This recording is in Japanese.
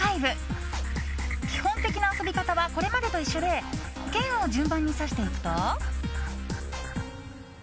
基本的な遊び方はこれまでと一緒で剣を順番に刺していくと。